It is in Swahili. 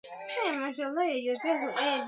Mtoto wangu ni mzuri